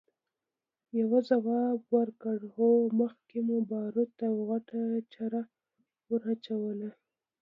يوه ځواب ورکړ! هو، مخکې مو باروت او غټه چره ور واچوله!